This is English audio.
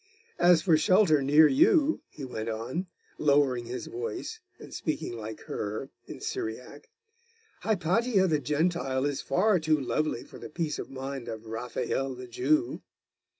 As for shelter near you,' he went on, lowering his voice, and speaking like her, in Syriac 'Hypatia the Gentile is far too lovely for the peace of mind of Raphael the Jew.